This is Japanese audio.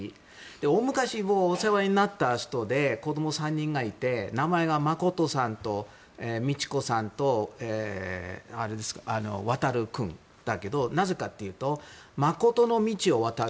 大昔、お世話になった人で子供３人がいて名前がマコトさんとミチコさんとワタル君だけどなぜかというとマコトの道を渡る。